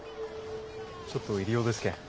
ちょっと入り用ですけん。